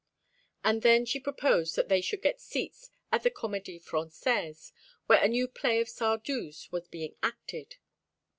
And then she proposed that they should get seats at the Comédie Française, where a new play of Sardou's was being acted.